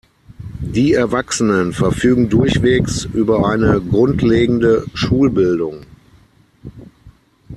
Die Erwachsenen verfügen durchwegs über eine grundlegende Schulbildung.